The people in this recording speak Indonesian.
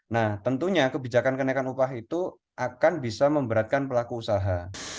nah tentunya kebijakan kenaikan upah itu akan bisa memberatkan pelaku usaha